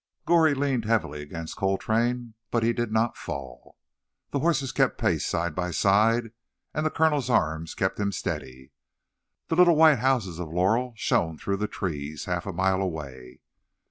Goree leaned heavily against Coltrane, but he did not fall. The horses kept pace, side by side, and the Colonel's arm kept him steady. The little white houses of Laurel shone through the trees, half a mile away.